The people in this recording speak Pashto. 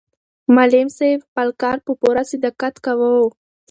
معلم صاحب خپل کار په پوره صداقت کاوه.